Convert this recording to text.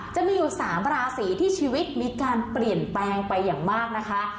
จะมีอยู่๓ราศีที่ชีวิตมีการเปลี่ยนแปลงไปอย่างมากนะคะ